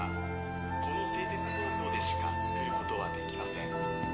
この製鉄方法でしかつくることはできません